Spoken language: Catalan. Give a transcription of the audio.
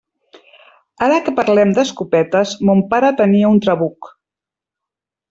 Ara que parlem d'escopetes, mon pare tenia un trabuc.